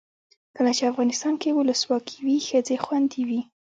کله چې افغانستان کې ولسواکي وي ښځې خوندي وي.